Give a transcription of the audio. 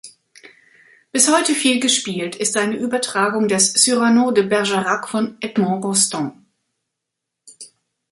Bis heute viel gespielt ist seine Übertragung des "Cyrano de Bergerac" von Edmond Rostand.